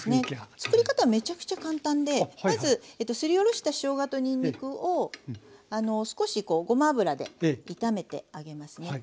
作り方はめちゃくちゃ簡単でまずすりおろしたしょうがとにんにくを少しこうごま油で炒めてあげますね。